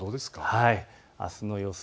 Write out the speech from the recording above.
あすの予想